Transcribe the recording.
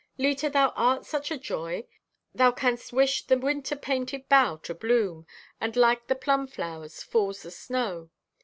"Leta, thou art such a joy! Thou canst wish the winter painted bough to bloom, and like the plum flowers falls the snow.